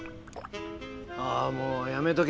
ああもうやめとけ。